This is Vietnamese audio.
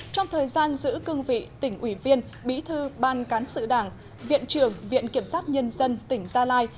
trong thời gian giữ cương vị tỉnh ủy viên bí thư ban cán sự đảng viện trưởng viện kiểm sát nhân dân tỉnh gia lai